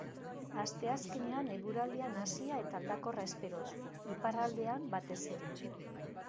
Asteazkenean eguraldi nahasia eta aldakorra espero da, iparraldean batez ere.